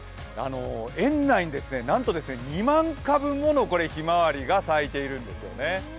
園内に、なんと２万株ものひまわりが咲いているんですよね。